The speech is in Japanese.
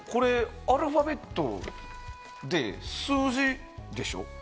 アルファベットで数字でしょ？